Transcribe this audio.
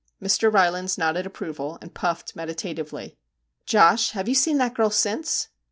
Mr. Rylands nodded approval, and puffed meditatively. ' Josh, have you seen that girl since